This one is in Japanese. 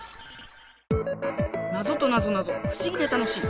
ナゾとなぞなぞ不思議で楽しい。